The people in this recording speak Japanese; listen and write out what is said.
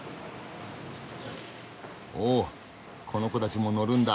おこの子たちも乗るんだ。